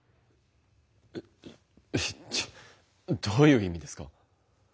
えどういう意味ですか。